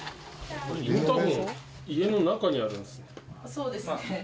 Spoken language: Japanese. そうですね。